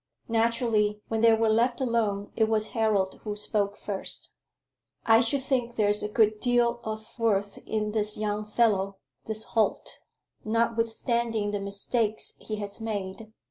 Naturally when they were left alone, it was Harold who spoke first. "I should think there's a good deal of worth in this young fellow this Holt, notwithstanding the mistakes he has made.